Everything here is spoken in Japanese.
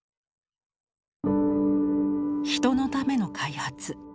人のための開発